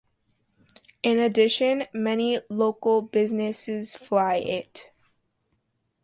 In addition, many local businesses fly it.